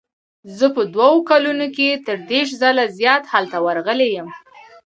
زه په دوو کلونو کې تر دېرش ځله زیات هلته ورغلی یم.